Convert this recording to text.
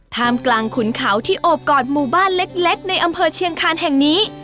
ท่ามกลางขุนเขาที่โอบกอดหมู่บ้านเล็กในอำเภอเชียงคานแห่งนี้